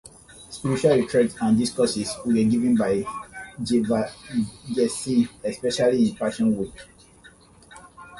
Spiritual retreats and discourses were given by Geevarghese especially in the Passion Week.